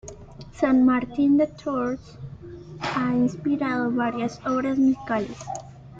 San Martín de Tours ha inspirado varias obras musicales.